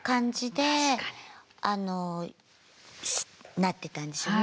なってたんでしょうね